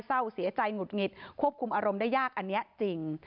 เศร้าเสียใจหงุดหงิดควบคุมอารมณ์ได้ยากอันนี้จริง